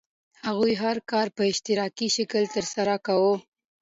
هغوی هر کار په اشتراکي شکل ترسره کاوه.